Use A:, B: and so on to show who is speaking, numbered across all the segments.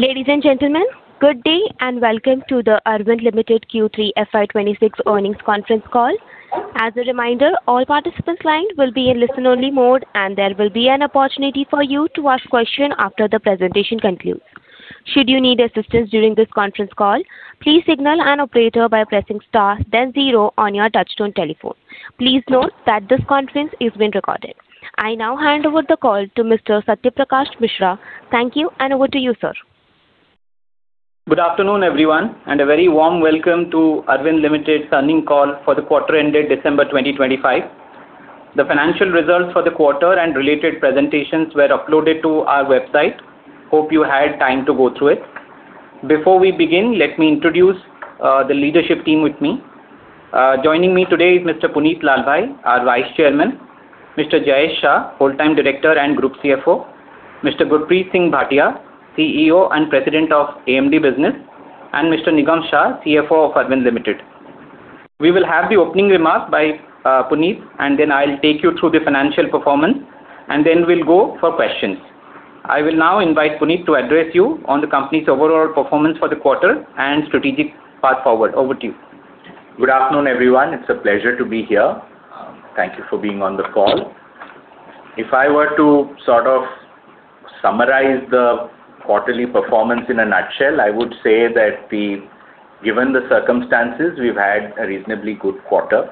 A: Ladies and gentlemen, good day, and welcome to the Arvind Limited Q3 FY 2026 Earnings Conference Call. As a reminder, all participants' lines will be in listen-only mode, and there will be an opportunity for you to ask questions after the presentation concludes. Should you need assistance during this conference call, please signal an operator by pressing star then zero on your touch-tone telephone. Please note that this conference is being recorded. I now hand over the call to Mr. Satya Prakash Mishra. Thank you, and over to you, sir.
B: Good afternoon, everyone, and a very warm welcome to Arvind Limited's earnings call for the quarter ended December 2025. The financial results for the quarter and related presentations were uploaded to our website. Hope you had time to go through it. Before we begin, let me introduce the leadership team with me. Joining me today is Mr. Punit Lalbhai, our Vice Chairman; Mr. Jayesh Shah, Full-Time Director and Group CFO; Mr. Gurpreet Singh Bhatia, CEO and President of AMD Business; and Mr. Nigam Shah, CFO of Arvind Limited. We will have the opening remarks by Punit, and then I'll take you through the financial performance, and then we'll go for questions. I will now invite Punit to address you on the company's overall performance for the quarter and strategic path forward. Over to you.
C: Good afternoon, everyone. It's a pleasure to be here. Thank you for being on the call. If I were to sort of summarize the quarterly performance in a nutshell, I would say that given the circumstances, we've had a reasonably good quarter.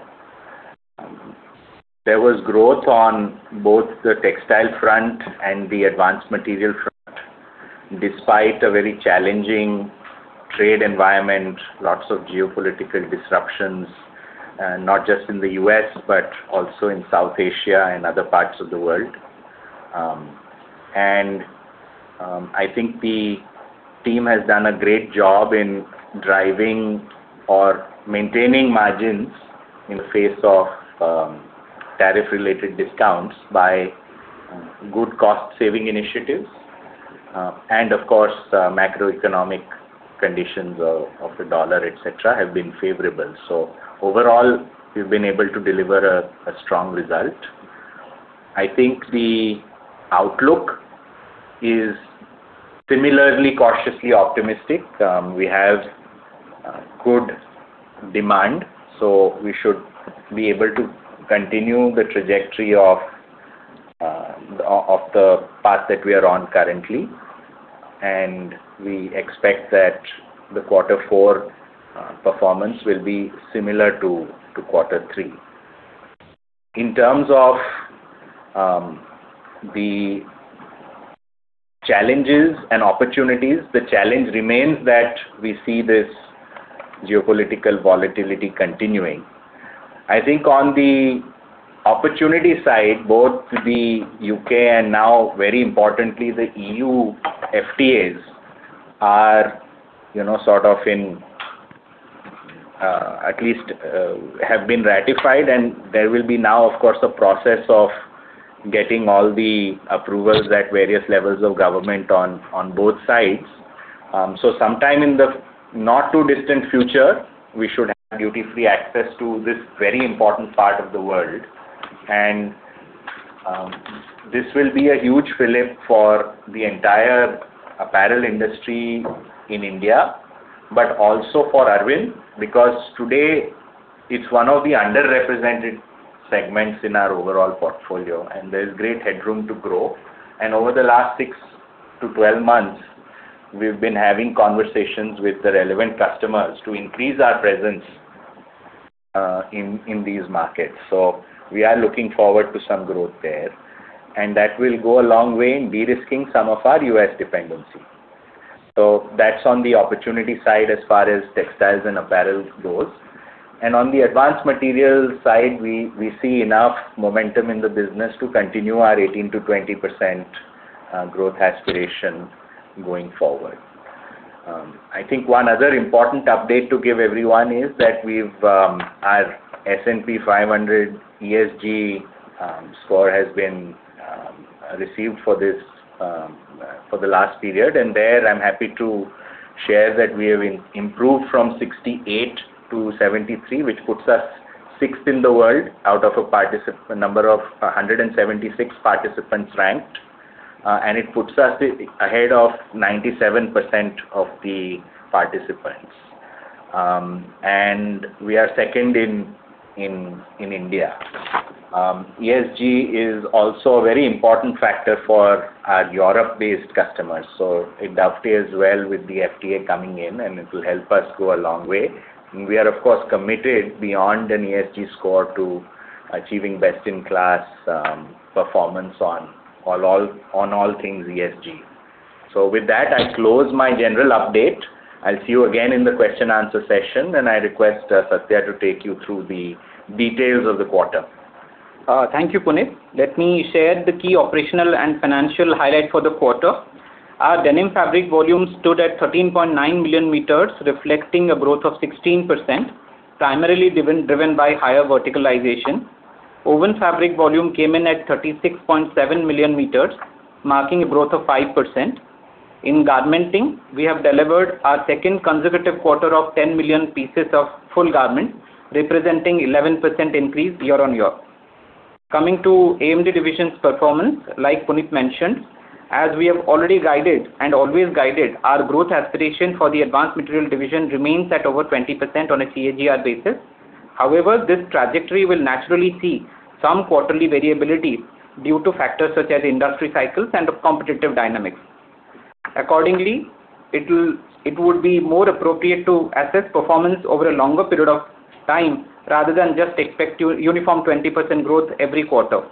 C: There was growth on both the textile front and the advanced material front, despite a very challenging trade environment, lots of geopolitical disruptions, not just in the U.S., but also in South Asia and other parts of the world. And I think the team has done a great job in driving or maintaining margins in the face of tariff-related discounts by good cost-saving initiatives. And of course, the macroeconomic conditions of the dollar, et cetera, have been favorable. So overall, we've been able to deliver a strong result. I think the outlook is similarly cautiously optimistic. We have good demand, so we should be able to continue the trajectory of the path that we are on currently. We expect that the quarter four performance will be similar to quarter three. In terms of the challenges and opportunities, the challenge remains that we see this geopolitical volatility continuing. I think on the opportunity side, both the U.K. and now very importantly, the EU FTAs are, you know, sort of in at least have been ratified. And there will be now, of course, a process of getting all the approvals at various levels of government on both sides. So sometime in the not-too-distant future, we should have duty-free access to this very important part of the world. This will be a huge fillip for the entire apparel industry in India, but also for Arvind, because today it's one of the underrepresented segments in our overall portfolio, and there's great headroom to grow. Over the last 6-12 months, we've been having conversations with the relevant customers to increase our presence in these markets. So we are looking forward to some growth there, and that will go a long way in de-risking some of our U.S. dependency. So that's on the opportunity side as far as Textiles and apparel goes. And on the Advanced Materials side, we see enough momentum in the business to continue our 18%-20% growth aspiration going forward. I think one other important update to give everyone is that we've, our S&P 500 ESG score has been, for the last period. And there, I'm happy to share that we have improved from 68 to 73, which puts us sixth in the world out of a number of 176 participants ranked. And it puts us ahead of 97% of the participants. And we are second in India. ESG is also a very important factor for our Europe-based customers, so it dovetails well with the FTA coming in, and it will help us go a long way. And we are, of course, committed beyond an ESG score to achieving best-in-class, performance on all things ESG. So with that, I close my general update. I'll see you again in the question and answer session, and I request, Satya to take you through the details of the quarter.
B: Thank you, Punit. Let me share the key operational and financial highlights for the quarter. Our Denim fabric volume stood at 13.9 million m, reflecting a growth of 16%, primarily driven by higher verticalization. Woven fabric volume came in at 36.7 million m, marking a growth of 5%. In Garmenting, we have delivered our second consecutive quarter of 10 million pieces of full garment, representing 11% increase year-on-year. Coming to AMD Division's performance, like Punit mentioned, as we have already guided and always guided, our growth aspiration for the Advanced Materials Division remains at over 20% on a CAGR basis. However, this trajectory will naturally see some quarterly variability due to factors such as industry cycles and competitive dynamics. Accordingly, it'll, it would be more appropriate to assess performance over a longer period of time, rather than just expect uniform 20% growth every quarter,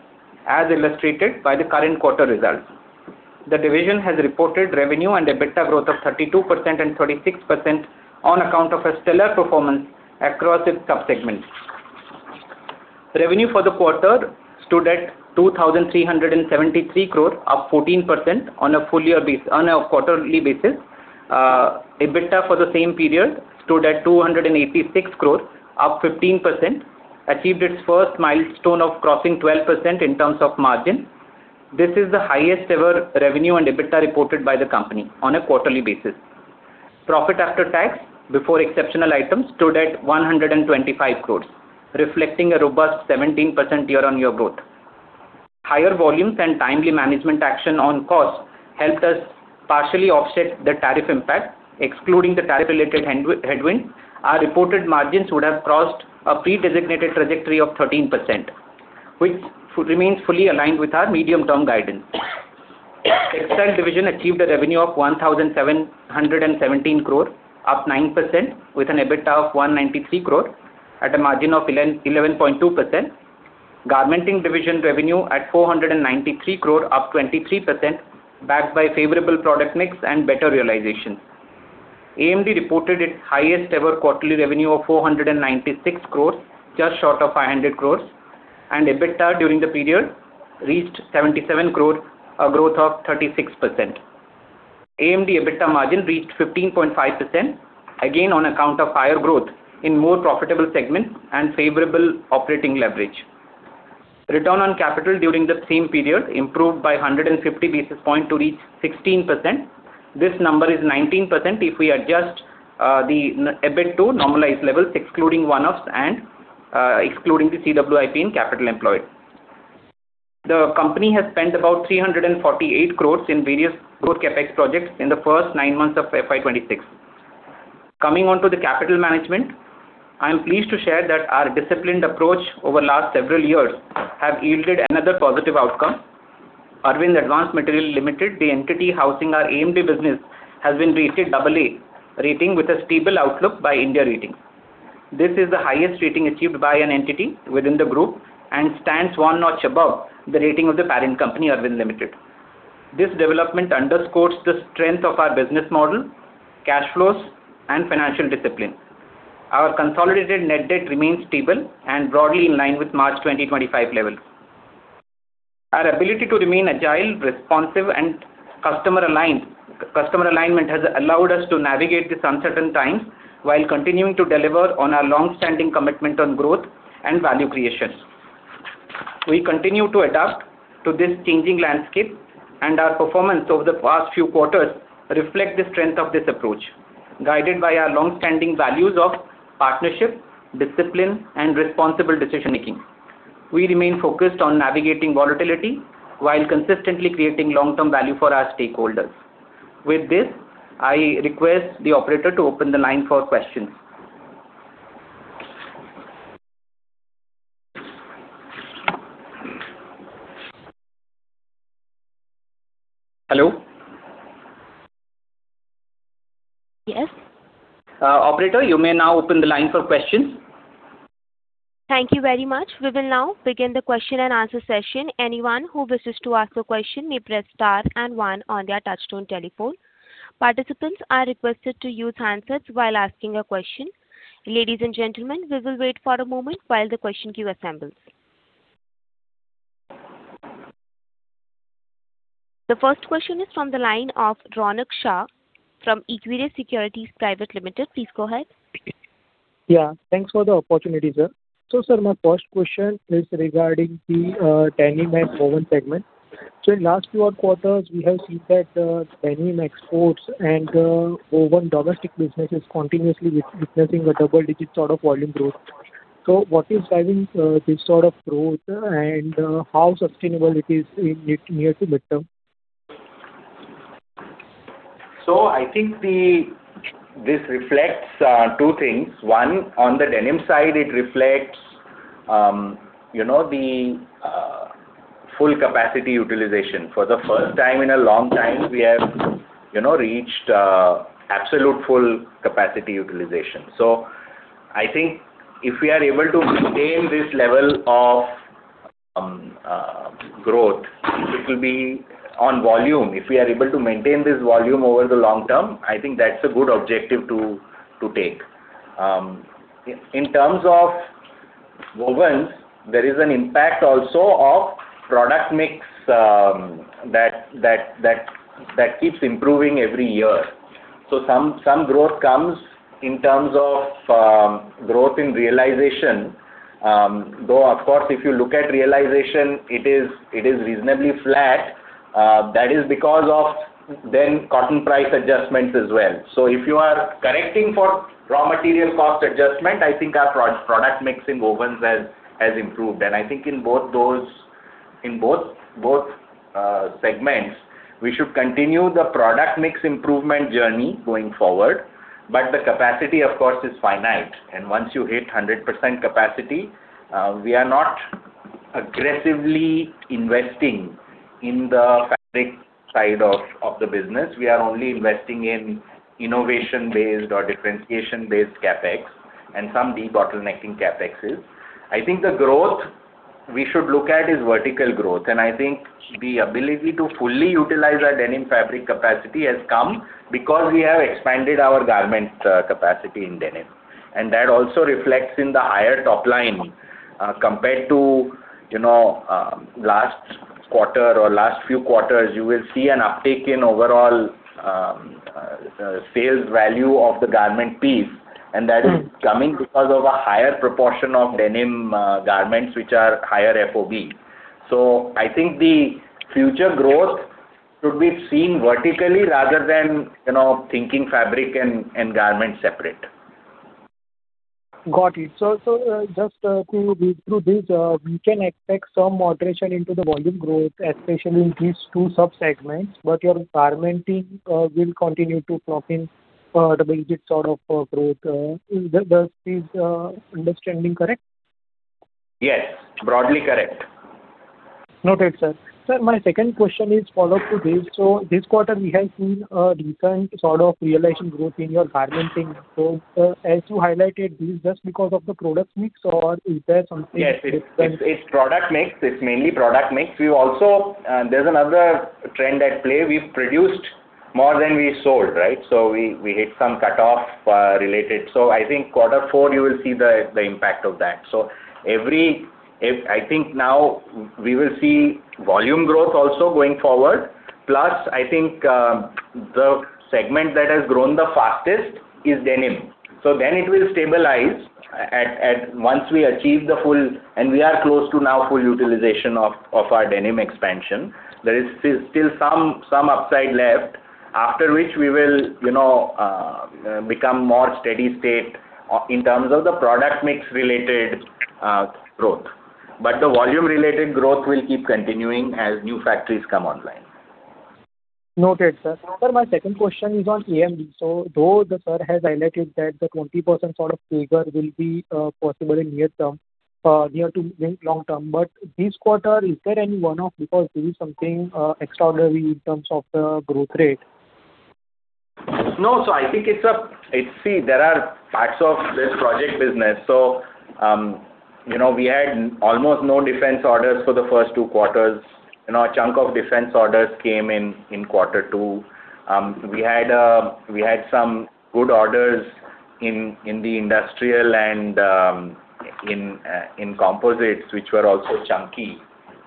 B: as illustrated by the current quarter results. The division has reported revenue and EBITDA growth of 32% and 36% on account of a stellar performance across its sub-segments. Revenue for the quarter stood at 2,373 crore, up 14% on a quarterly basis. EBITDA for the same period stood at 286 crore, up 15%, achieved its first milestone of crossing 12% in terms of margin. This is the highest ever revenue and EBITDA reported by the company on a quarterly basis. Profit after tax, before exceptional items, stood at 125 crore, reflecting a robust 17% year-on-year growth. Higher volumes and timely management action on costs helped us partially offset the tariff impact. Excluding the tariff-related headwind, our reported margins would have crossed a pre-designated trajectory of 13%, which remains fully aligned with our medium-term guidance. Textile Division achieved a revenue of INR 1,717 crore, up 9%, with an EBITDA of INR 193 crore, at a margin of 11.2%. Garmenting Division revenue at INR 493 crore, up 23%, backed by favorable product mix and better realization. AMD reported its highest ever quarterly revenue of 496 crores, just short of 500 crores, and EBITDA during the period reached 77 crore, a growth of 36%. AMD EBITDA margin reached 15.5%, again on account of higher growth in more profitable segments and favorable operating leverage. Return on capital during the same period improved by 150 basis points to reach 16%. This number is 19% if we adjust the net EBITDA to normalized levels, excluding one-offs and excluding the CWIP in capital employed. The company has spent about 348 crores in various growth CapEx projects in the first 9 months of FY 2026. Coming on to the capital management, I am pleased to share that our disciplined approach over last several years have yielded another positive outcome. Arvind Advanced Materials Limited, the entity housing our AMD business, has been rated AA rating with a stable outlook by India Ratings. This is the highest rating achieved by an entity within the group and stands one notch above the rating of the parent company, Arvind Limited. This development underscores the strength of our business model, cash flows, and financial discipline. Our consolidated net debt remains stable and broadly in line with March 2025 level. Our ability to remain agile, responsive, and customer aligned, customer alignment, has allowed us to navigate this uncertain times, while continuing to deliver on our long-standing commitment on growth and value creation. We continue to adapt to this changing landscape, and our performance over the past few quarters reflect the strength of this approach, guided by our long-standing values of partnership, discipline, and responsible decision-making. We remain focused on navigating volatility while consistently creating long-term value for our stakeholders. With this, I request the operator to open the line for questions. Hello?
A: Yes. Operator, you may now open the line for questions. Thank you very much. We will now begin the question-and-answer session. Anyone who wishes to ask a question may press star and one on their touch-tone telephone. Participants are requested to use handsets while asking a question. Ladies and gentlemen, we will wait for a moment while the question queue assembles. The first question is from the line of Ronak Shah from Equirus Securities Private Limited. Please go ahead.
D: Yeah, thanks for the opportunity, sir. So sir, my first question is regarding the Denim and Woven segment. So in last few quarters, we have seen that Denim exports and Woven domestic business is continuously witnessing a double-digit sort of volume growth. So what is driving this sort of growth and how sustainable it is in near to midterm?
C: So I think this reflects two things. One, on the Denim side, it reflects you know the full capacity utilization. For the first time in a long time, we have you know reached absolute full capacity utilization. So I think if we are able to maintain this level of growth, it will be on volume. If we are able to maintain this volume over the long term, I think that's a good objective to take. In terms of Woven, there is an impact also of product mix that keeps improving every year. So some growth comes in terms of growth in realization. Though, of course, if you look at realization, it is reasonably flat. That is because of the cotton price adjustments as well. So if you are correcting for raw material cost adjustment, I think our product mix in Woven has improved. And I think in both those segments, we should continue the product mix improvement journey going forward. But the capacity, of course, is finite, and once you hit 100% capacity, we are not aggressively investing in the fabric side of the business. We are only investing in innovation-based or differentiation-based CapEx, and some de-bottlenecking CapExes. I think the growth we should look at is vertical growth, and I think the ability to fully utilize our Denim fabric capacity has come because we have expanded our garment capacity in Denim. That also reflects in the higher top line compared to, you know, last quarter or last few quarters. You will see an uptick in overall sales value of the garment piece.
D: Mm-hmm.
C: That is coming because of a higher proportion of Denim garments, which are higher FOB. I think the future growth should be seen vertically rather than, you know, thinking fabric and garment separate.
D: Got it. So, just to read through this, we can expect some moderation into the volume growth, especially in these two subsegments, but your Garmenting will continue to plug in the double-digit sort of growth. Does this understanding correct?
C: Yes, broadly correct.
D: Noted, sir. Sir, my second question is follow up to this. So this quarter, we have seen a decent sort of realization growth in your Garmenting. So, as you highlighted, this is just because of the product mix, or is there something different?
C: Yes, it's product mix. It's mainly product mix. We also, there's another trend at play. We've produced more than we sold, right? So we hit some cutoff related. So I think quarter four, you will see the impact of that. I think now we will see volume growth also going forward. Plus, I think the segment that has grown the fastest is Denim. So then it will stabilize once we achieve the full, and we are close to now full utilization of our Denim expansion. There is still some upside left, after which we will, you know, become more steady state in terms of the product mix related growth. But the volume-related growth will keep continuing as new factories come online.
D: Noted, sir. Sir, my second question is on AMD. So though the sir has highlighted that the 20% sort of figure will be possible in near term, near to long term, but this quarter, is there any one-off because this is something extraordinary in terms of the growth rate?
C: No, so I think it's a—see, there are parts of this project business. So, you know, we had almost no defense orders for the first two quarters. You know, a chunk of defense orders came in, in quarter two. We had some good orders in the industrial and in composites, which were also chunky.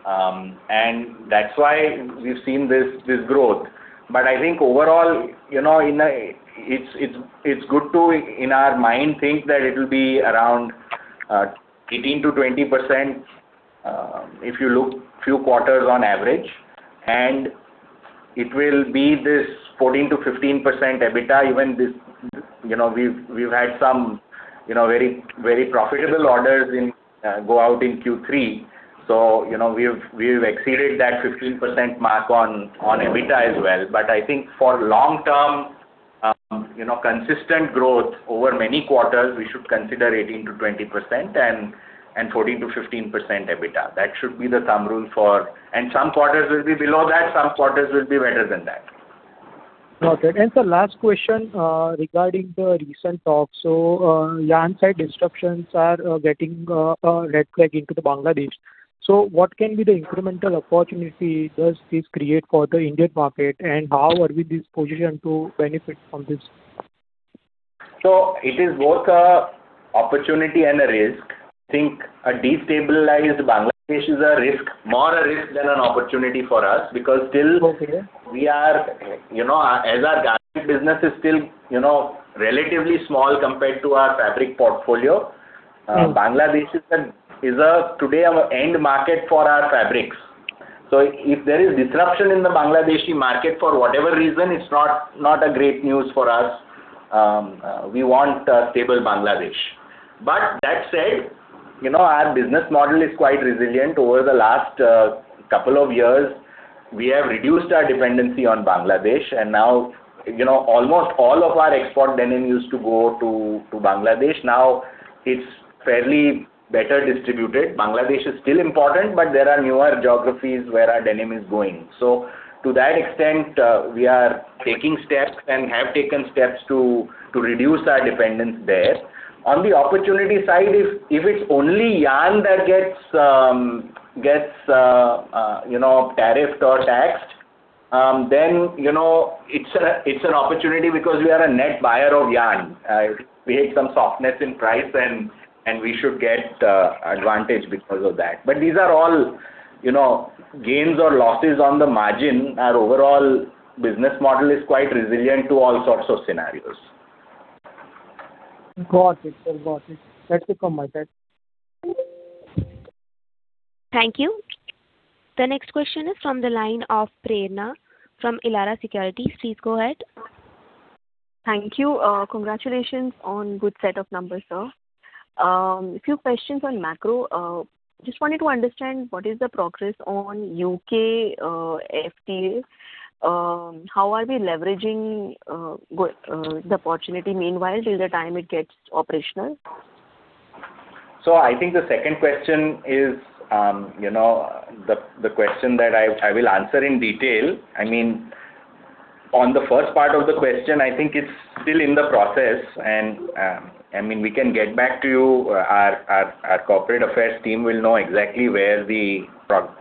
C: And that's why we've seen this growth. But I think overall, you know, in a—it's good to, in our mind, think that it will be around 18% to 20%, if you look few quarters on average, and it will be this 14% to 15% EBITDA, even this, you know, we've had some very profitable orders in go out in Q3. So, you know, we've, we've exceeded that 15% mark on, on EBITDA as well. But I think for long term, you know, consistent growth over many quarters, we should consider 18% to 20% and, and 14% to 15% EBITDA. That should be the thumb rule for—and some quarters will be below that, some quarters will be better than that.
D: Okay. And the last question, regarding the recent talk. So, yarn side disruptions are getting red flag into the Bangladesh. So what can be the incremental opportunity does this create for the Indian market, and how are we this positioned to benefit from this?
C: So it is both an opportunity and a risk. I think a destabilized Bangladesh is a risk, more a risk than an opportunity for us, because still we are, you know, as our garment business is still, you know, relatively small compared to our fabric portfolio-
D: Mm.
C: Bangladesh is today our end market for our fabrics. So if there is disruption in the Bangladeshi market for whatever reason, it's not a great news for us. We want a stable Bangladesh. But that said, you know, our business model is quite resilient. Over the last couple of years, we have reduced our dependency on Bangladesh, and now, you know, almost all of our export denim used to go to Bangladesh. Now it's fairly better distributed. Bangladesh is still important, but there are newer geographies where our denim is going. So to that extent, we are taking steps and have taken steps to reduce our dependence there. On the opportunity side, if it's only yarn that gets, you know, tariffed or taxed, then, you know, it's an opportunity because we are a net buyer of yarn. We hit some softness in price, and we should get advantage because of that. But these are all, you know, gains or losses on the margin. Our overall business model is quite resilient to all sorts of scenarios.
D: Got it, sir. Got it. That's it from my side.
A: Thank you. The next question is from the line of Prerna from Elara Securities. Please go ahead.
E: Thank you. Congratulations on good set of numbers, sir. A few questions on macro. Just wanted to understand what is the progress on U.K. FTA? How are we leveraging the opportunity meanwhile, till the time it gets operational?
C: So I think the second question is, you know, the question that I will answer in detail. I mean, on the first part of the question, I think it's still in the process, and I mean, we can get back to you. Our corporate affairs team will know exactly where the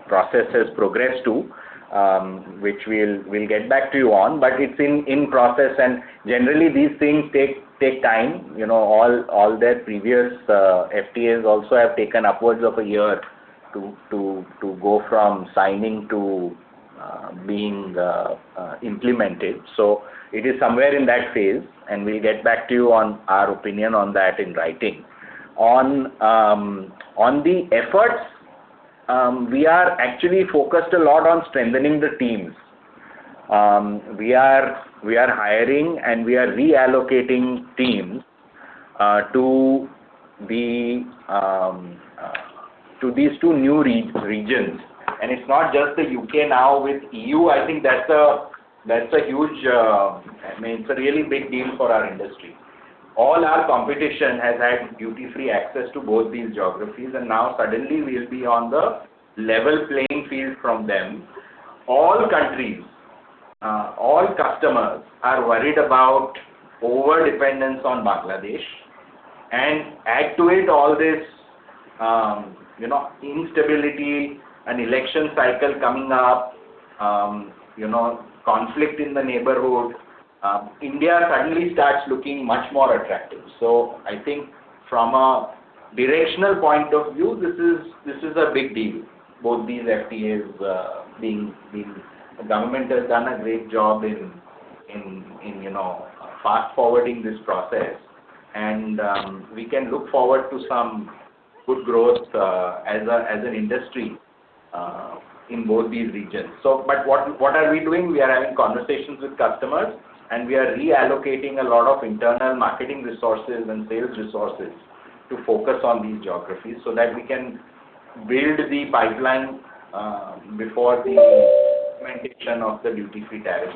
C: process has progressed to, which we'll get back to you on. But it's in process, and generally these things take time. You know, all their previous FTAs also have taken upwards of a year to go from signing to being implemented. So it is somewhere in that phase, and we'll get back to you on our opinion on that in writing. On the efforts, we are actually focused a lot on strengthening the teams. We are hiring, and we are reallocating teams to these two new regions. And it's not just the UK now, with EU, I think that's a huge—I mean, it's a really big deal for our industry. All our competition has had duty-free access to both these geographies, and now suddenly we'll be on the level playing field from them. All countries, all customers are worried about overdependence on Bangladesh, and add to it all this, you know, instability and election cycle coming up, you know, conflict in the neighborhood, India suddenly starts looking much more attractive. So I think from a directional point of view, this is a big deal, both these FTAs, being—the government has done a great job in you know, fast-forwarding this process. We can look forward to some good growth, as a, as an industry, in both these regions. So but what, what are we doing? We are having conversations with customers, and we are reallocating a lot of internal marketing resources and sales resources to focus on these geographies, so that we can build the pipeline, before the implementation of the duty-free tariff.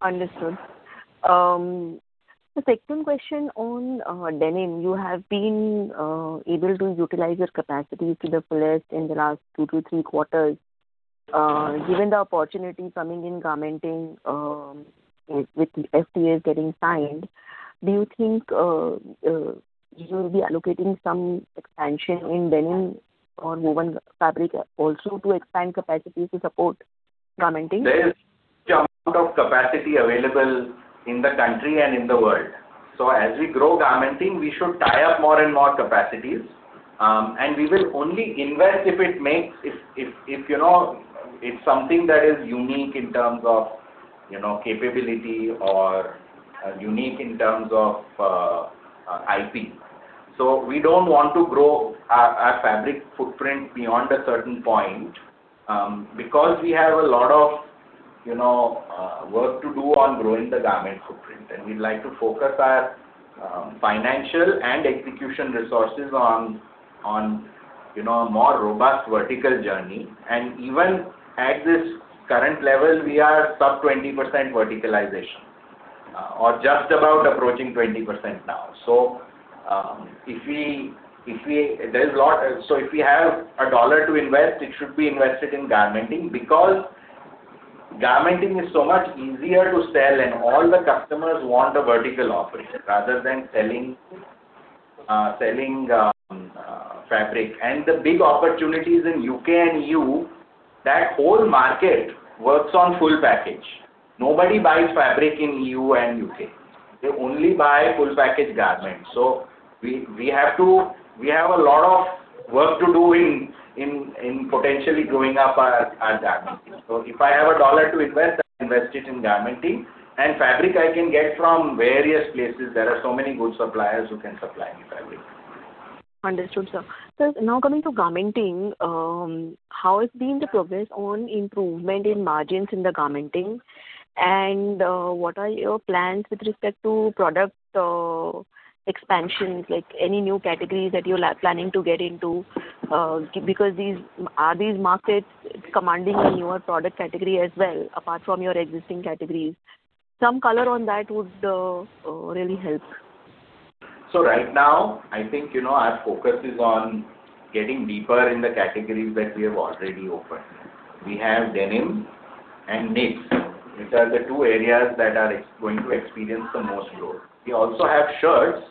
E: Understood. The second question on Denim. You have been able to utilize your capacity to the fullest in the last two to three quarters. Given the opportunity coming in Garmenting, with the FTAs getting signed, do you think you will be allocating some expansion in Denim or Woven fabric also to expand capacity to support Garmenting?
C: There is amount of capacity available in the country and in the world. So as we grow Garmenting, we should tie up more and more capacities. And we will only invest if it makes—if you know, it's something that is unique in terms of, you know, capability or, unique in terms of, IP. So we don't want to grow our fabric footprint beyond a certain point, because we have a lot of, you know, work to do on growing the garment footprint. And we'd like to focus our financial and execution resources on, on, you know, a more robust vertical journey. And even at this current level, we are sub 20% verticalization, or just about approaching 20% now. So, if we, if we—there is a lot. So if we have a dollar to invest, it should be invested in Garmenting, because Garmenting is so much easier to sell, and all the customers want a vertical operation, rather than selling fabric. The big opportunities in U.K. and EU, that whole market works on full package. Nobody buys fabric in EU and U.K. They only buy full package garments. So we have a lot of work to do in potentially growing our Garmenting. So if I have a dollar to invest, I invest it in Garmenting. Fabric I can get from various places. There are so many good suppliers who can supply me fabric.
E: Understood, sir. So now coming to Garmenting, how has been the progress on improvement in margins in the Garmenting? And, what are your plans with respect to product, expansions, like any new categories that you're planning to get into? Because these are these markets commanding a newer product category as well, apart from your existing categories? Some color on that would really help.
C: So right now, I think, you know, our focus is on getting deeper in the categories that we have already offered. We have Denim and Knits, which are the two areas that are going to experience the most growth. We also have shirts,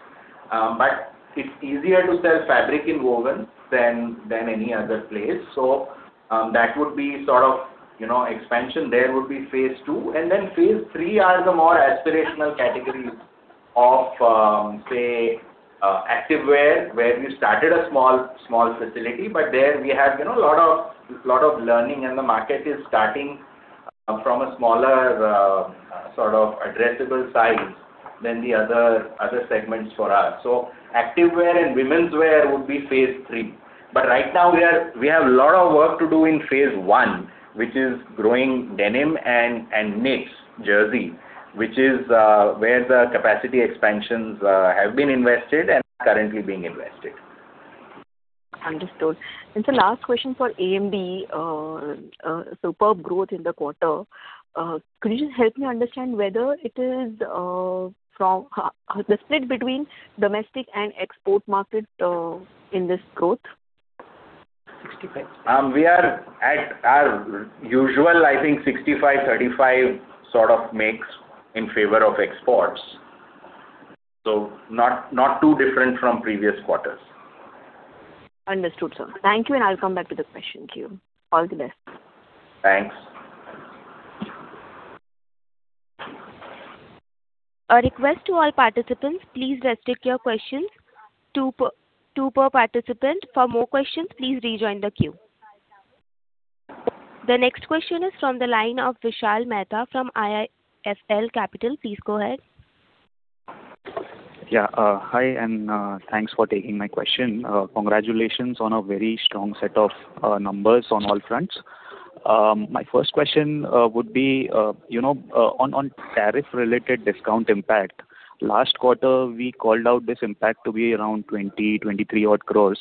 C: but it's easier to sell fabric in Woven than any other place. So that would be sort of, you know, expansion. There would be phase II, and then phase III are the more aspirational categories of activewear, where we started a small, small facility, but there we have, you know, a lot of, lot of learning, and the market is starting from a smaller sort of addressable size than the other, other segments for us. So activewear and womenswear would be phase III. But right now, we have a lot of work to do in phase I, which is growing Denim and Knits, jersey, which is where the capacity expansions have been invested and are currently being invested.
E: Understood. Last question for AMD, superb growth in the quarter. Could you just help me understand whether it is from the split between domestic and export market in this growth?
C: We are at our usual, I think 65/35 sort of mix in favor of exports. So not too different from previous quarters.
E: Understood, sir. Thank you, and I'll come back with the question queue. All the best.
C: Thanks.
A: A request to all participants, please restrict your questions, two per, two per participant. For more questions, please rejoin the queue. The next question is from the line of Vishal Mehta from IIFL Capital. Please go ahead.
F: Yeah, hi, and thanks for taking my question. Congratulations on a very strong set of numbers on all fronts. My first question would be, you know, on tariff-related discount impact. Last quarter, we called out this impact to be around 20 crore-23 crores.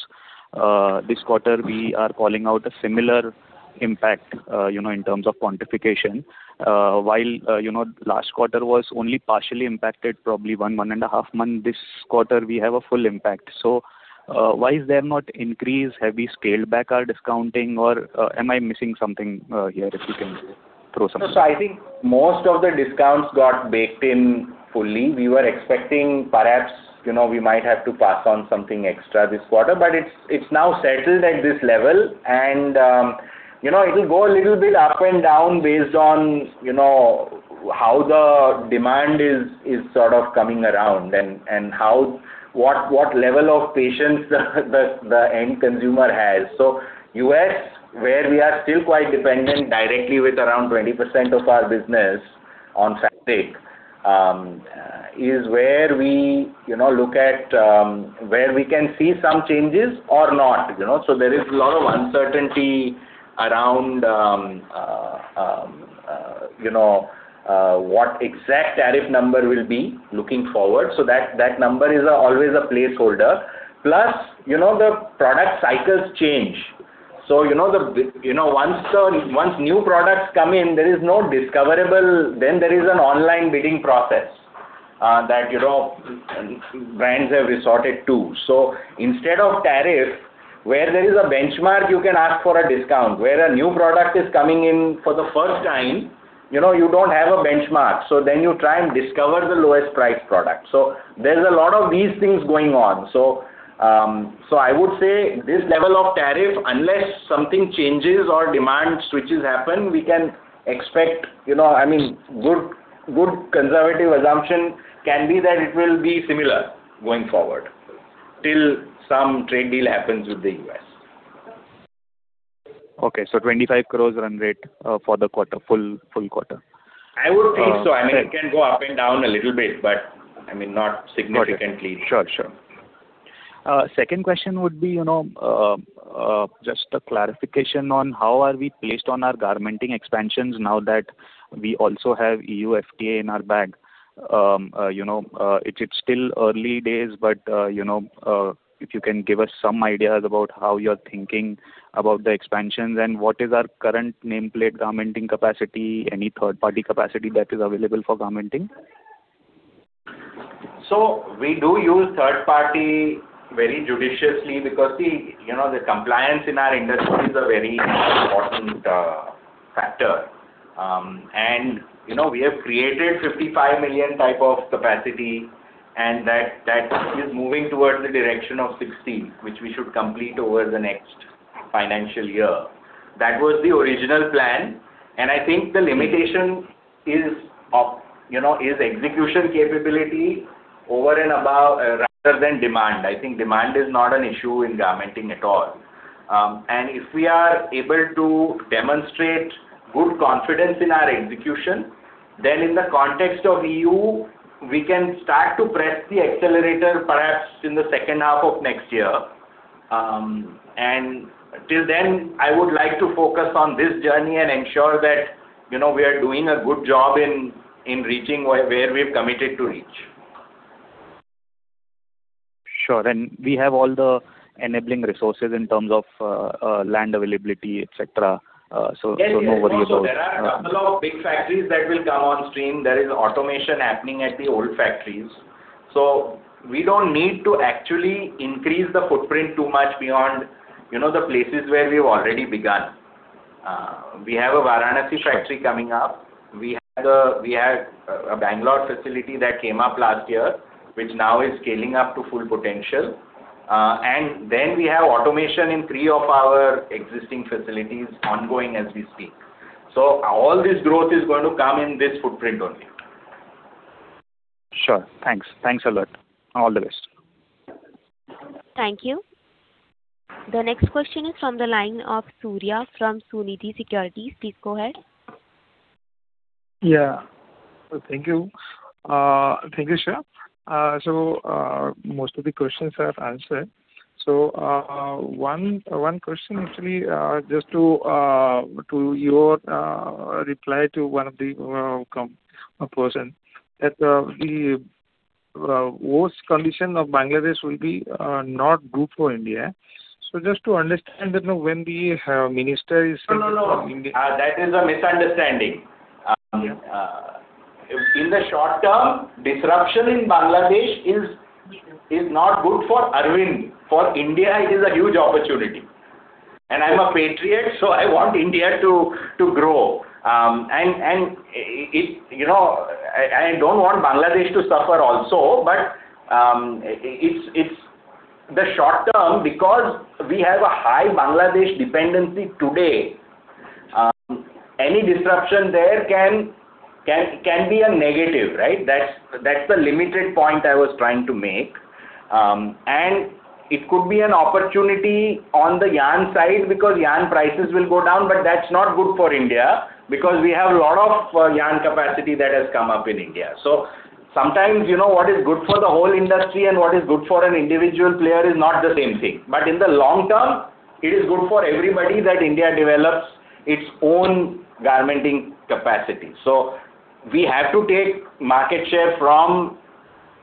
F: This quarter, we are calling out a similar impact, you know, in terms of quantification. While, you know, last quarter was only partially impacted, probably 1.5 months, this quarter we have a full impact. So, why is there not increase? Have we scaled back our discounting, or am I missing something here, if you can throw some light?
C: So I think most of the discounts got baked in fully. We were expecting perhaps, you know, we might have to pass on something extra this quarter, but it's now settled at this level, and, you know, it'll go a little bit up and down based on, you know, how the demand is sort of coming around and, and how, what level of patience the end consumer has. So U.S., where we are still quite dependent directly with around 20% of our business on the U.S., is where we, you know, look at, where we can see some changes or not, you know? So there is a lot of uncertainty around, you know, what exact tariff number will be looking forward. So that, that number is always a placeholder. Plus, you know, the product cycles change. So, you know, once new products come in, there is no discoverable—then there is an online bidding process, that, you know, brands have resorted to. So instead of tariff, where there is a benchmark, you can ask for a discount. Where a new product is coming in for the first time, you know, you don't have a benchmark, so then you try and discover the lowest priced product. So there's a lot of these things going on. So, so I would say this level of tariff, unless something changes or demand switches happen, we can expect, you know, I mean, good, good conservative assumption can be that it will be similar going forward, till some trade deal happens with the U.S.
F: Okay, so 25 crore run rate for the quarter, full, full quarter.
C: I would think so.
F: Uh, right.
C: I mean, it can go up and down a little bit, but, I mean, not significantly.
F: Got it. Sure, sure. Second question would be, you know, just a clarification on how are we placed on our Garmenting expansions now that we also have EU FTA in our bag? You know, it's still early days, but, you know, if you can give us some ideas about how you're thinking about the expansions and what is our current nameplate Garmenting capacity, any third-party capacity that is available for Garmenting?
C: So we do use third party very judiciously because, see, you know, the compliance in our industry is a very important factor. And, you know, we have created 55 million type of capacity, and that, that is moving towards the direction of 60, which we should complete over the next financial year. That was the original plan, and I think the limitation is of, you know, is execution capability over and above, rather than demand. I think demand is not an issue in Garmenting at all. And if we are able to demonstrate good confidence in our execution, then in the context of EU, we can start to press the accelerator perhaps in the second half of next year. Till then, I would like to focus on this journey and ensure that, you know, we are doing a good job in reaching where we've committed to reach.
F: Sure, and we have all the enabling resources in terms of land availability, et cetera?
C: Yes, yes.
F: So no worry about—
C: Also, there are a couple of big factories that will come on stream. There is automation happening at the old factories. So we don't need to actually increase the footprint too much beyond, you know, the places where we've already begun. We have a Varanasi factory coming up.
F: Sure.
C: We had a Bangalore facility that came up last year, which now is scaling up to full potential. And then we have automation in three of our existing facilities ongoing as we speak. So all this growth is going to come in this footprint only.
F: Sure! Thanks. Thanks a lot. All the best.
A: Thank you. The next question is from the line of Surya from Sunidhi Securities. Please go ahead.
G: Yeah. Thank you. Thank you, sir. So, most of the questions are answered. So, one question actually, just to your reply to one of the commenters, that the worst condition of Bangladesh will be not good for India. So just to understand that, you know, when the minister is—
C: No, no, no. That is a misunderstanding. In the short term, disruption in Bangladesh is not good for Arvind. For India, it is a huge opportunity. And I'm a patriot, so I want India to grow. And you know, I don't want Bangladesh to suffer also, but it's the short term because we have a high Bangladesh dependency today. Any disruption there can be a negative, right? That's the limited point I was trying to make. And it could be an opportunity on the yarn side, because yarn prices will go down, but that's not good for India, because we have a lot of yarn capacity that has come up in India. So sometimes, you know, what is good for the whole industry and what is good for an individual player is not the same thing. In the long term, it is good for everybody that India develops its own garmenting capacity. We have to take market share from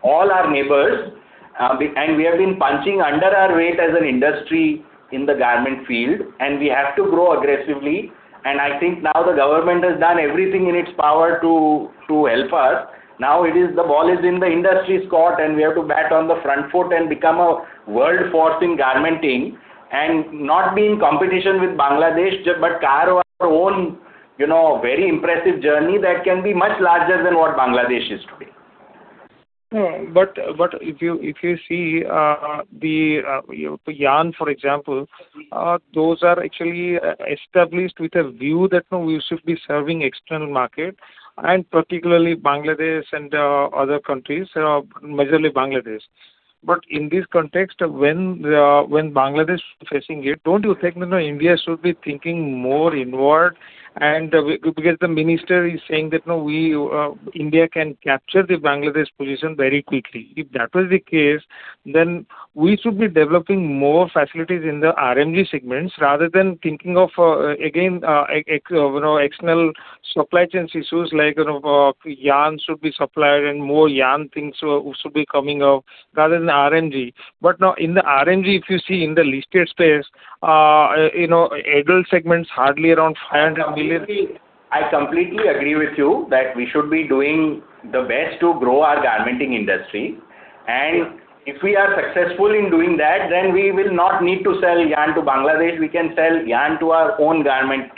C: all our neighbors, and we have been punching under our weight as an industry in the garment field, and we have to grow aggressively. I think now the government has done everything in its power to help us. Now, the ball is in the industry's court, and we have to bat on the front foot and become a world force in garmenting and not be in competition with Bangladesh, but carve our own, you know, very impressive journey that can be much larger than what Bangladesh is today.
G: Yeah, but if you see the yarn, for example, those are actually established with a view that, you know, we should be serving external market, and particularly Bangladesh and other countries, majorly Bangladesh. But in this context, when Bangladesh facing it, don't you think that India should be thinking more inward? And because the minister is saying that, you know, we, India can capture the Bangladesh position very quickly. If that was the case, then we should be developing more facilities in the RMG segments rather than thinking of again, you know, external supply chain issues like, you know, yarn should be supplied and more yarn things should be coming up rather than RMG. But no, in the RMG, if you see in the listed space, you know, apparel segments, hardly around 500 million—
C: I completely, I completely agree with you that we should be doing the best to grow our Garmenting industry.
G: Sure.
C: If we are successful in doing that, then we will not need to sell yarn to Bangladesh. We can sell yarn to our own garment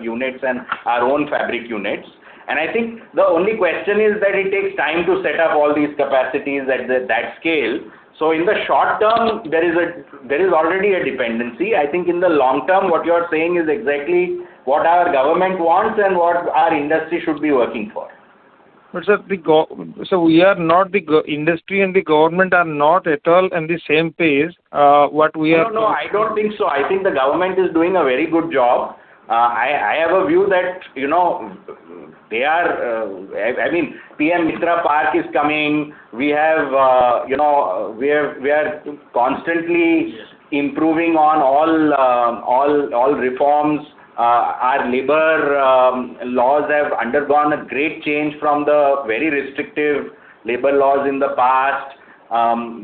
C: units and our own fabric units. I think the only question is that it takes time to set up all these capacities at that scale. In the short term, there is already a dependency. I think in the long term, what you are saying is exactly what our government wants and what our industry should be working for.
G: But, sir, the industry and the government are not at all on the same page, what we are—
C: No, no, I don't think so. I think the government is doing a very good job. I have a view that, you know, they are—I mean, PM MITRA Park is coming. We have, you know, we are, we are constantly—
G: Yes
C: Improving on all reforms. Our labor laws have undergone a great change from the very restrictive labor laws in the past.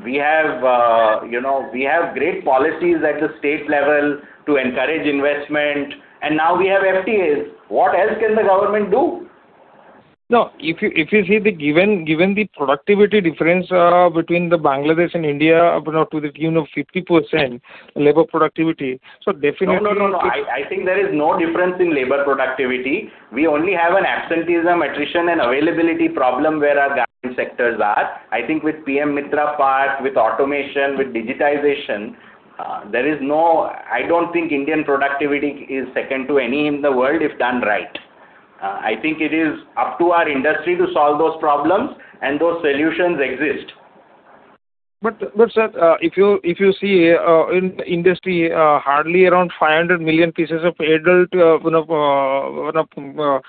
C: We have, you know, we have great policies at the state level to encourage investment, and now we have FTAs. What else can the government do?
G: No, if you, if you see the given, given the productivity difference between Bangladesh and India, up to the tune of 50% labor productivity, so definitely—
C: No, no, no, no. I think there is no difference in labor productivity. We only have an absenteeism, attrition, and availability problem where our garment sectors are. I think with PM MITRA Park, with automation, with digitization, there is no. I don't think Indian productivity is second to any in the world, if done right. I think it is up to our industry to solve those problems, and those solutions exist.
G: But, sir, if you see in industry, hardly around 500 million pieces of adult, you know,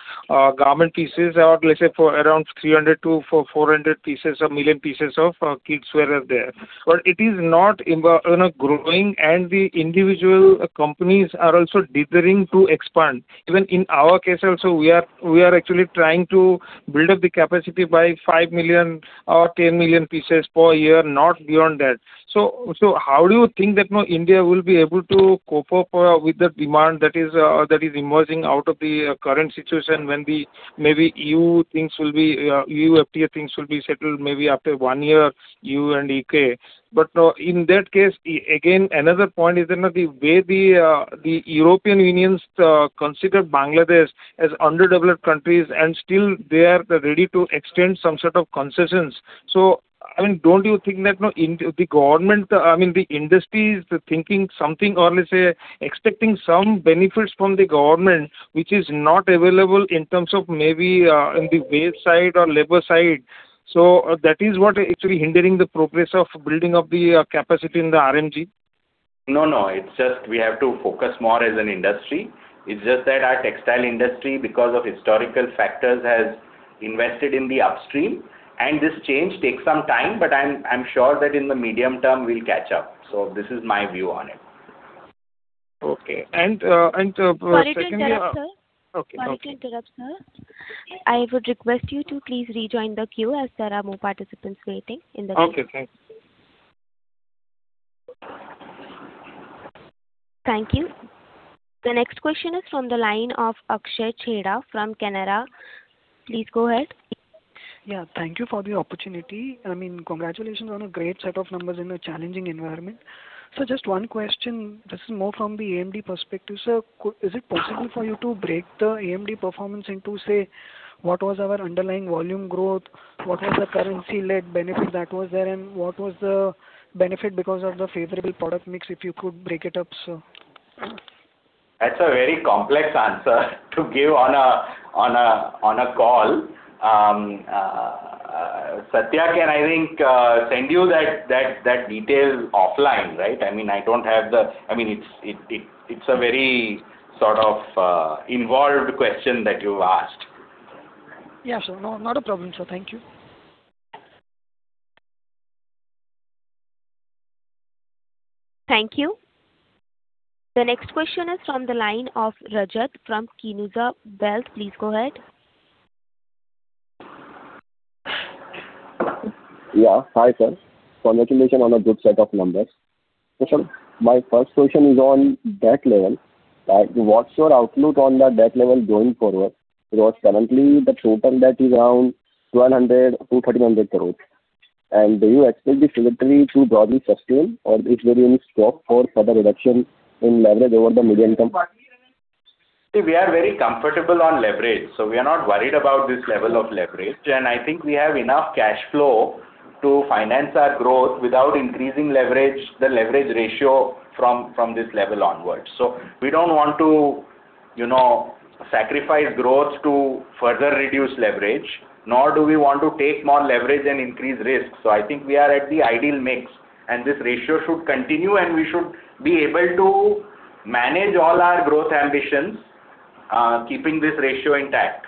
G: garment pieces, or let's say around 300 million-400 million pieces of kids wear are there. But it is not, you know, growing, and the individual companies are also dithering to expand. Even in our case also, we are actually trying to build up the capacity by 5 million or 10 million pieces per year, not beyond that. So how do you think that, you know, India will be able to cope up with the demand that is emerging out of the current situation when the maybe EU things will be, EU FTA things will be settled maybe after one year, EU and U.K. But, no, in that case, again, another point is that not the way the European Union considers Bangladesh as underdeveloped countries, and still they are ready to extend some sort of concessions. I mean, don't you think that no, in the government, I mean, the industry is thinking something or let's say, expecting some benefits from the government, which is not available in terms of maybe in the wage side or labor side. So that is what is actually hindering the progress of building up the capacity in the RMG?
C: No, no, it's just we have to focus more as an industry. It's just that our textile industry, because of historical factors, has invested in the upstream, and this change takes some time, but I'm, I'm sure that in the medium term we'll catch up. This is my view on it.
G: Okay. And, and, secondly—
A: Sorry to interrupt, sir.
G: Okay.
A: Sorry to interrupt, sir. I would request you to please rejoin the queue, as there are more participants waiting in the line.
G: Okay, thanks.
A: Thank you. The next question is from the line of Akshay Chheda from Canara. Please go ahead.
H: Yeah, thank you for the opportunity. I mean, congratulations on a great set of numbers in a challenging environment. So just one question, this is more from the AMD perspective, sir. Is it possible for you to break the AMD performance into, say, what was our underlying volume growth, what was the currency-led benefit that was there, and what was the benefit because of the favorable product mix? If you could break it up, sir.
C: That's a very complex answer to give on a call. Satya can, I think, send you that detail offline, right? I mean, I don't have the—I mean, it's a very sort of involved question that you've asked.
H: Yeah, sir. No, not a problem, sir. Thank you.
A: Thank you. The next question is from the line of Rajat from Kizuna Wealth. Please go ahead.
I: Yeah. Hi, sir. Congratulations on a good set of numbers. So sir, my first question is on debt level. Like, what's your outlook on the debt level going forward? Because currently the total debt is around 1,200 crore-1,300 crores. And do you expect this trajectory to broadly sustain or is there any scope for further reduction in leverage over the medium term?
C: See, we are very comfortable on leverage, so we are not worried about this level of leverage. And I think we have enough cash flow to finance our growth without increasing leverage, the leverage ratio from this level onwards. So we don't want to, you know, sacrifice growth to further reduce leverage, nor do we want to take more leverage and increase risk. So I think we are at the ideal mix, and this ratio should continue, and we should be able to manage all our growth ambitions, keeping this ratio intact.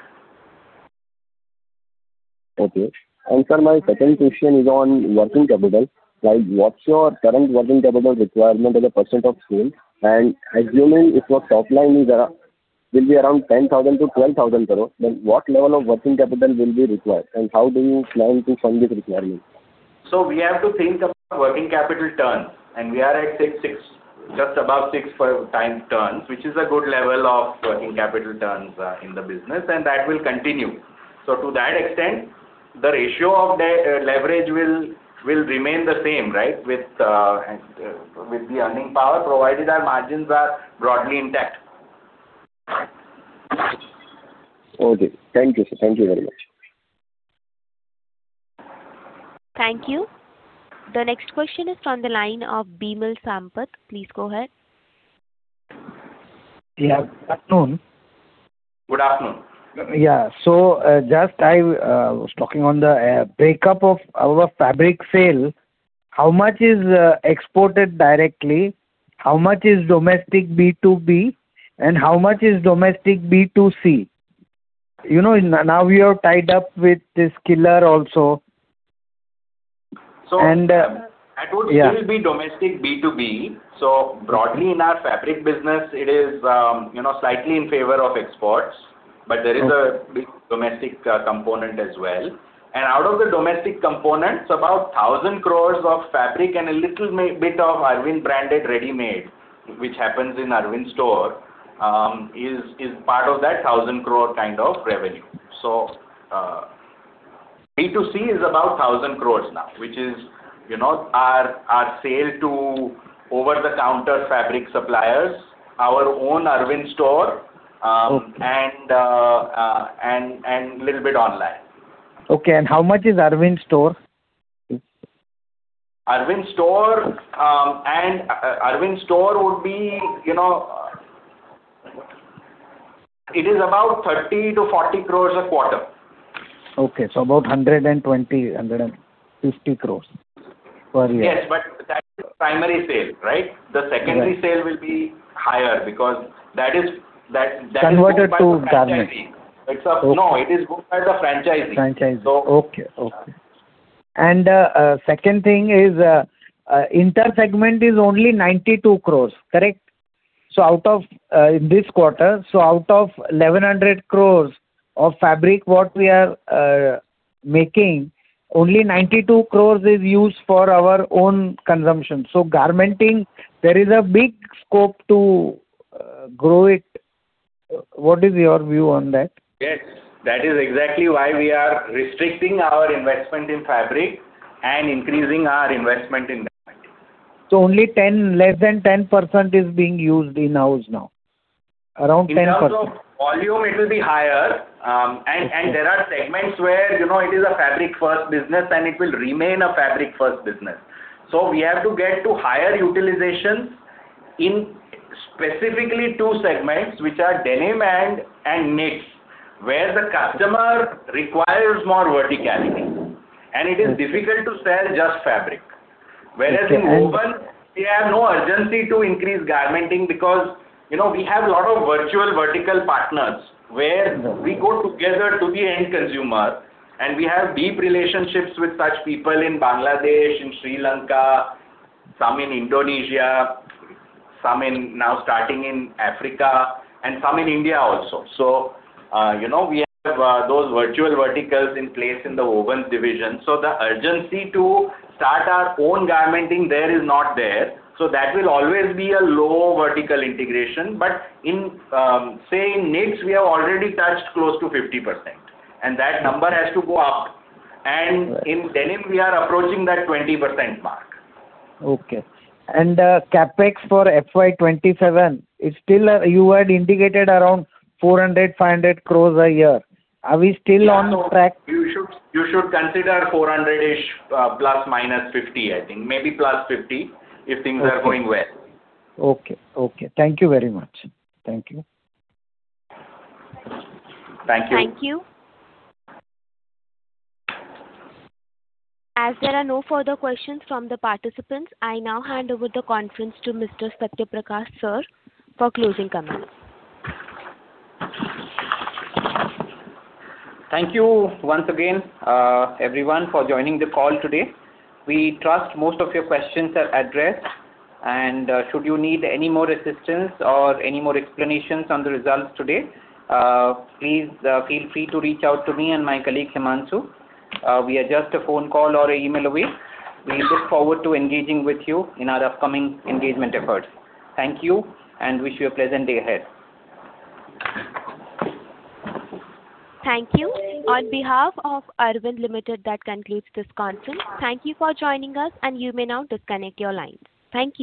I: Okay. And sir, my second question is on working capital. Like, what's your current working capital requirement as a percent of sales? And assuming if your top line is, will be around 10,000 crore-12,000 crore, then what level of working capital will be required, and how do you plan to fund this requirement?
C: We have to think about working capital turns, and we are at, say, 6.5x turns, which is a good level of working capital turns in the business, and that will continue. To that extent, the ratio of deleverage will remain the same, right, with the earning power, provided our margins are broadly intact.
I: Okay. Thank you, sir. Thank you very much.
A: Thank you. The next question is from the line of Bimal Sampat. Please go ahead.
J: Yeah, good afternoon.
C: Good afternoon.
J: Yeah. So, just I was talking on the breakup of our fabric sale. How much is exported directly, how much is domestic B2B, and how much is domestic B2C? You know, now we are tied up with this Killer also.
C: So—
J: And, yeah.
C: That would still be domestic B2B. So broadly, in our fabric business, it is, you know, slightly in favor of exports—
J: Okay.
C: But there is a big domestic component as well. And out of the domestic component, about 1,000 crore of fabric and a little bit of Arvind-branded ready-made, which happens in Arvind Store, is part of that 1,000-crore kind of revenue. So, B2C is about 1,000 crore now, which is, you know, our sale to over-the-counter fabric suppliers, our own Arvind Store.
J: Okay.
C: and little bit online.
J: Okay, and how much is Arvind Store?
C: Arvind Store, you know—it is about 30 crore-40 crore a quarter.
J: Okay, so about 120 crore-150 crore per year.
C: Yes, but that is primary sale, right?
J: Right.
C: The secondary sale will be higher because that is—
J: Converted to garment.
C: No, it is booked by the franchisee.
J: Franchisee.
C: So—
J: Okay, okay. And, second thing is, inter segment is only 92 crore, correct? So out of, this quarter, so out of 1,100 crore of fabric, what we are, making, only 92 crore is used for our own consumption. So Garmenting, there is a big scope to, grow it. What is your view on that?
C: Yes, that is exactly why we are restricting our investment in fabric and increasing our investment in that.
J: So only 10%, less than 10% is being used in-house now. Around 10%.
C: In terms of volume, it will be higher. And there are segments where, you know, it is a fabric-first business, and it will remain a fabric-first business. So we have to get to higher utilizations in specifically two segments, which are Denim and Knits, where the customer requires more verticality, and it is difficult to sell just fabric. Whereas in Woven, we have no urgency to increase Garmenting because, you know, we have a lot of virtual vertical partners where we go together to the end consumer, and we have deep relationships with such people in Bangladesh, in Sri Lanka, some in Indonesia, some in—now starting in Africa, and some in India also. So, you know, we have those virtual verticals in place in the Woven Division, so the urgency to start our own Garmenting there is not there. So that will always be a low vertical integration. But in, say, in Knits, we have already touched close to 50%, and that number has to go up. And in denim, we are approaching that 20% mark.
J: Okay. And, CapEx for FY 2027 is still—you had indicated around 400-500 crores a year. Are we still on track?
C: You should, you should consider 400-ish, ±50, I think. Maybe +50, if things are going well.
J: Okay. Okay. Thank you very much. Thank you.
C: Thank you.
A: Thank you. As there are no further questions from the participants, I now hand over the conference to Mr. Satya Prakash, sir, for closing comments.
B: Thank you once again, everyone, for joining the call today. We trust most of your questions are addressed, and, should you need any more assistance or any more explanations on the results today, please, feel free to reach out to me and my colleague, Himanshu. We are just a phone call or an email away. We look forward to engaging with you in our upcoming engagement efforts. Thank you, and wish you a pleasant day ahead.
A: Thank you. On behalf of Arvind Limited, that concludes this conference. Thank you for joining us, and you may now disconnect your lines. Thank you.